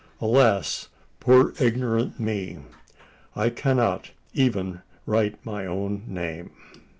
Alas! poor ignorant me: I cannot even write my own name!"